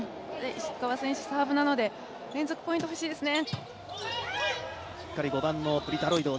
石川選手のサーブなので、連続ポイントが欲しいですね。